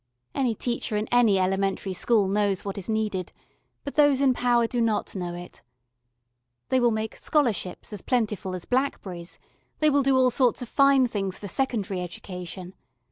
Any teacher in any elementary school knows what is needed, but those in power do not know it. They will make scholarships as plentiful as blackberries, they will do all sorts of fine things for secondary education.